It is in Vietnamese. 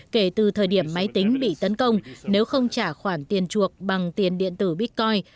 kể từ thời điểm máy tính bị tấn công nếu không trả khoản tiền chuộc bằng tiền điện tử bitcoin